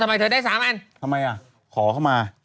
ทำไมเธอได้๓อันทำไมขอเข้ามา